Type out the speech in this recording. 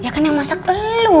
ya kan yang masak lo